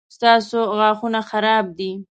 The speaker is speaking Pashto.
ستاسو غاښونه خراب دي